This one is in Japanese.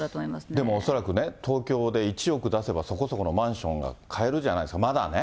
でも恐らくね、東京で１億出せばそこそこのマンションが買えるじゃないですか、まだね。